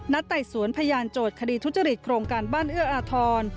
ไต่สวนพยานโจทย์คดีทุจริตโครงการบ้านเอื้ออาทร